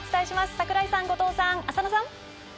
桜井さん、後藤さん、浅野さん。